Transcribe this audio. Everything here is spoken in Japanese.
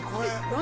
何？